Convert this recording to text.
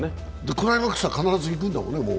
クライマックスは必ず行くんだもんね？